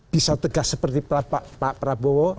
bisa tegas seperti pak prabowo